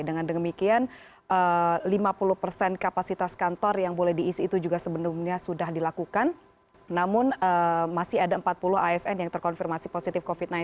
dengan demikian lima puluh persen kapasitas kantor yang boleh diisi itu juga sebelumnya sudah dilakukan namun masih ada empat puluh asn yang terkonfirmasi positif covid sembilan belas